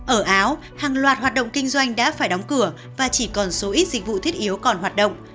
ở áo hàng loạt hoạt động kinh doanh đã phải đóng cửa và chỉ còn số ít dịch vụ thiết yếu còn hoạt động